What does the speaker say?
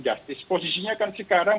justis posisinya kan sekarang